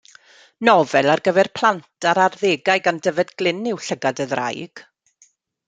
Nofel ar gyfer plant a'r arddegau gan Dyfed Glyn yw Llygad y Ddraig.